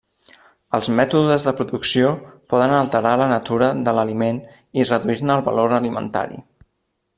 Els mètodes de producció poden alterar la natura de l'aliment i reduir-ne el valor alimentari.